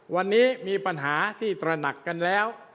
วันนี้มีปัญหาที่ตระหนักกันแล้ว